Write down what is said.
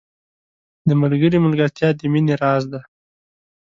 • د ملګري ملګرتیا د مینې راز دی.